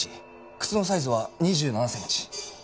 靴のサイズは２７センチ。